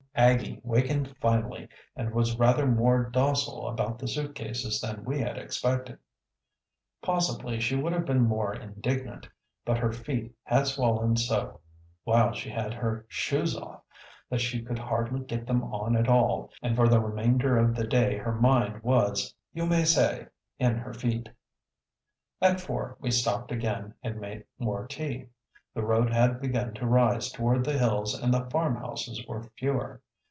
Aggie wakened finally and was rather more docile about the suitcases than we had expected. Possibly she would have been more indignant; but her feet had swollen so while she had her shoes off that she could hardly get them on at all, and for the remainder of the day her mind was, you may say, in her feet. At four we stopped again and made more tea. The road had begun to rise toward the hills and the farmhouses were fewer.